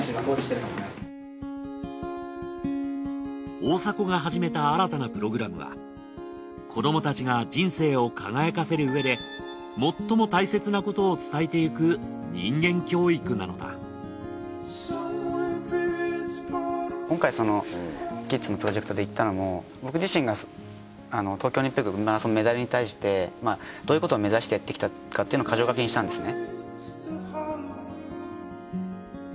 大迫が始めた新たなプログラムは子どもたちが人生を輝かせるうえで最も大切なことを伝えていく人間教育なのだ今回キッズのプロジェクトでいったのも僕自身が東京オリンピックのマラソンのメダルに対してどういうことを目指してやってきたかっていうのを箇条書きにしたんですね。